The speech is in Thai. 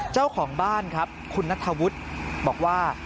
เจ้าของบ้านครับคุณนัทธวุฒิบอกว่า